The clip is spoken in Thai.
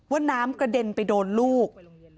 ว่าน้ำกระเด็นไปโดนลูก